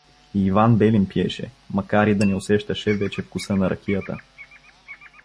И Иван Белин пиеше, макар и да не усещаше вече вкуса на ракията.